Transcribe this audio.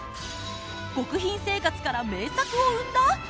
極貧生活から名作を生んだ！？